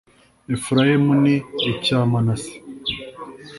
efurayimu n icya manase